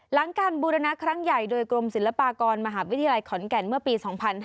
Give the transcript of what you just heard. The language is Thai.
หลังการบูรณะครั้งใหญ่โดยกรมศิลปากรมหาวิทยาลัยขอนแก่นเมื่อปี๒๕๕๙